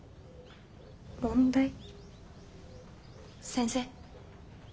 先生。